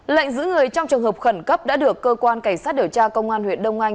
lệnh giữ người trong trường hợp khẩn cấp đã được cơ quan cảnh sát điều tra công an huyện đông anh